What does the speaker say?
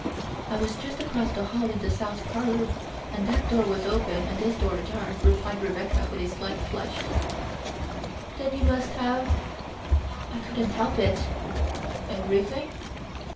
"I was just across the hall in the south parlor, and that door was open and this door ajar," replied Rebecca with a slight flush. "Then you must have " "I couldn't help it." "Everything?"